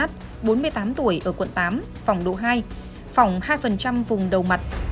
bốn mươi tám tuổi ở quận tám phòng độ hai phỏng hai vùng đầu mặt